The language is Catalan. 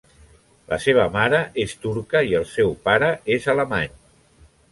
La seva mare és turca i el seu pare és alemany.